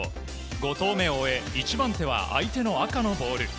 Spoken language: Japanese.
５投目を終え１番手は相手の赤のボール。